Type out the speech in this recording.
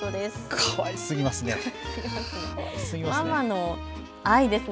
かわいすぎますね。